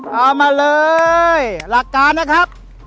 เอามาเลยหลักการนะครับ